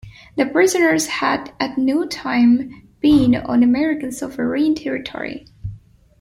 The prisoners had at no time been on American sovereign territory.